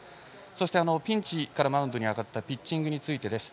そして、ピンチからマウンドに上がったピッチングについてです。